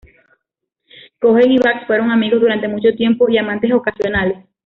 Cohen y Bax fueron amigos durante mucho tiempo y amantes ocasionales.